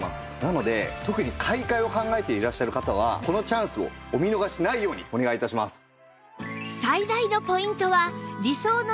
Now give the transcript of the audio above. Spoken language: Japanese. なので特に買い替えを考えていらっしゃる方はこのチャンスをお見逃しないようにお願い致します。